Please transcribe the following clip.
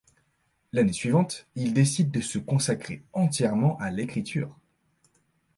L'année suivante, il décide de se consacrer entièrement à l'écriture.